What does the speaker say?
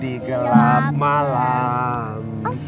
di gelap malam